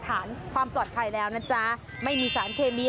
อ่างทองแต่ว่าหม้อสีเงิน